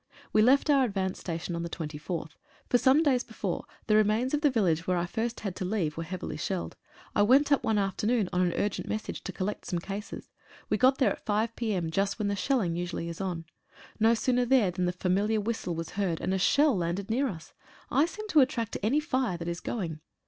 We left our advance station on the 24th. For some days before, the remains of the vil lage where I first had to leave were heavily shelled. I went up one afternoon on an urgent message to collect some cases. We got there at 5 p.m., just when shelling usually is on. No sooner there than the familiar whistle was heard, and a shell landed near us. I seem to attract any fire that is going.